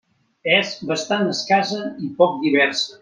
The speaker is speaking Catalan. És bastant escassa i poc diversa.